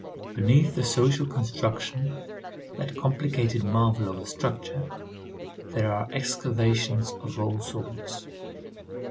Beneath the social construction, that complicated marvel of a structure, there are excavations of all sorts.